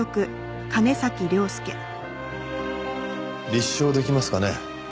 立証出来ますかね？